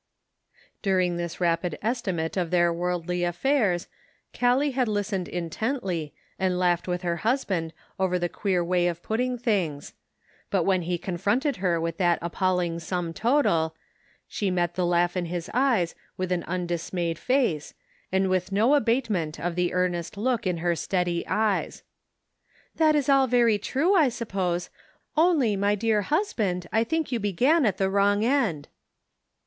" During this rapid estimate of their worldly affairs, Gallic had listened intentty, and laughed with her husband over the queer way of put ting things, but when he confronted her with that appalling sum total, she met the laugh in his eyes with an undismayed face, and with no abatement of the earnest look in her steady eyes. " That is all very true, I suppose, only my dear husband, I think you began at the wrong end